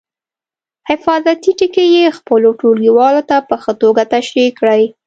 حفاظتي ټکي یې خپلو ټولګیوالو ته په ښه توګه تشریح کړئ.